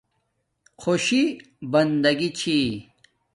خوشی بندگی چھی